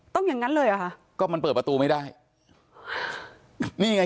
อย่างนั้นเลยเหรอคะก็มันเปิดประตูไม่ได้นี่ไง